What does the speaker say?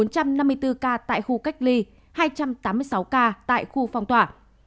bốn trăm năm mươi bốn ca tại khu cách ly hai trăm tám mươi sáu ca tại khu phong tỏa